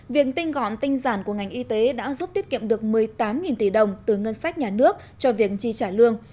việc tinh gọn tinh giản của ngành y tế đã giúp tiết kiệm được một mươi tám tỷ đồng từ ngân sách nhà nước cho việc chi trả lương